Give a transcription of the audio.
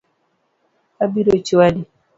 Abiro chwadi